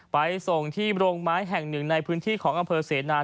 ไปส่งที่โรงไม้แห่งหนึ่งในพื้นที่ของอำเภอเสนา